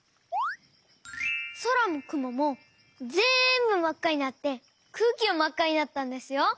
そらもくももぜんぶまっかになってくうきもまっかになったんですよ！